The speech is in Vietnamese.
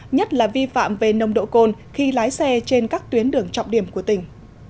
nhất là vi phạm về nồng độ cồn khi lái xe trên các tuyến đường trọng điểm của tỉnh